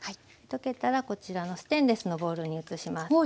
溶けたらこちらのステンレスのボウルに移します。